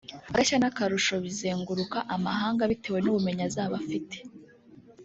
agashya n’akarusho bizenguruka amahanga bitewe n’ubumenyi azaba afite